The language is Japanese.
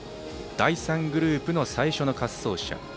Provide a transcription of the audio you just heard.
第３グループの最初の滑走者。